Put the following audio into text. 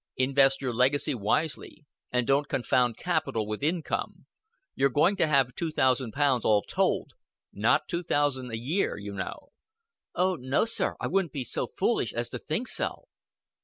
Invest your legacy wisely, and don't confound capital with income. You're going to have two thousand pounds all told, not two thousand a year, you know." "Oh, no, sir I wouldn't be so foolish as to think so."